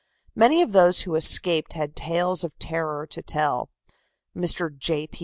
Many of those who escaped had tales of terror to tell. Mr. J. P.